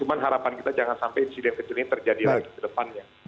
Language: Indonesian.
cuma harapan kita jangan sampai insiden kecil ini terjadi lagi ke depannya